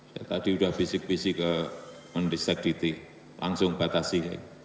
saya tadi sudah bisik bisik mendesak didik langsung batasi